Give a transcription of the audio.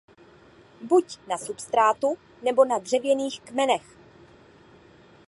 Buď na substrátu nebo na dřevěných kmenech.